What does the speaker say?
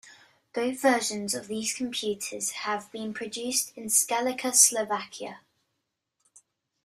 Both version of these computers had been produced in Skalica, Slovakia.